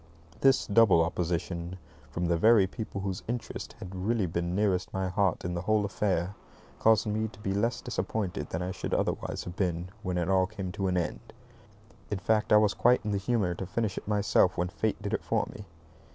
This double opposition, from the very people whose interests had really been nearest my heart in the whole affair, caused me to be less disappointed than I should otherwise have been when it all came to an end. In fact, I was quite in the humour to finish it myself when Fate did it for me.